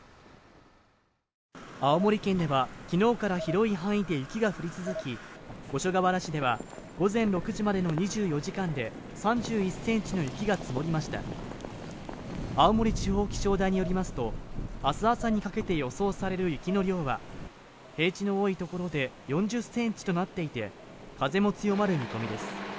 青森県ではきのうから広い範囲で雪が降り続き五所川原市では午前６時までの２４時間で３１ｃｍの雪が積もりました青森地方気象台によりますと明日朝にかけて予想される雪の量は平地の多い所で４０ｃｍとなっていて風も強まる見込みです